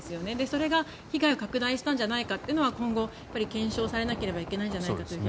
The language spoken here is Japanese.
それが被害を拡大したんじゃないかというのは今後、検証されなければいけないんじゃないかと。